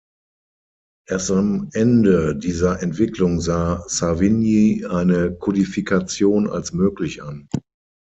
Erst am Ende dieser Entwicklung sah Savigny eine Kodifikation als möglich an.